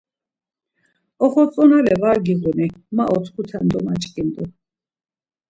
Oxotzonale var giğuni, ma otkute domaç̌ǩindu.